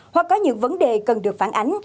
hoặc có những vấn đề cần được phản ánh